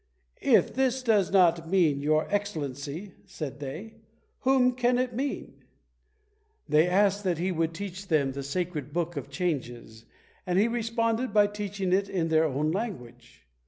"If this does not mean your Excellency," said they, "whom can it mean?" They asked that he would teach them the sacred Book of Changes, and he responded by teaching it in their own language.